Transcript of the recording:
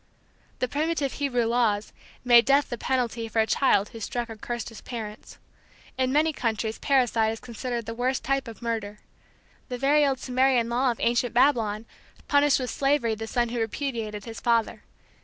The primitive Hebrew laws (Ex. 21:15, 17) made death the penalty for a child who struck or cursed his parents. In many countries parricide is considered the worse type of murder. The very old Sumerian law of ancient Babylon punished with slavery the son who repudiated his father.